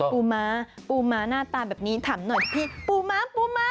ปูม้าปูม้าหน้าตาแบบนี้ถามหน่อยพี่ปูม้าปูม้า